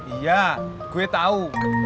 iya gue tahu